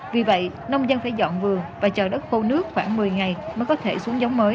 vì vậy nông dân phải dọn vừa và chờ đất khô nước khoảng một mươi ngày mới có thể xuống giống mới